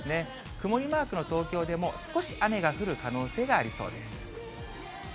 曇りマークの東京でも少し雨が降る可能性がありそうです。